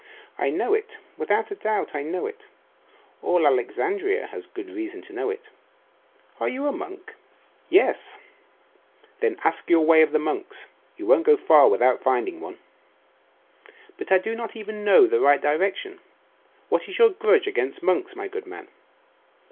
'I know it; without a doubt I know it; all Alexandria has good reason to know it. Are you a monk?' 'Yes.' 'Then ask your way of the monks; you won't go far without finding one.' 'But I do not even know the right direction; what is your grudge against monks, my good man?